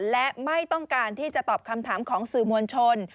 และไม่ต้องการที่จะตอบคำถามของสื่อมวลชน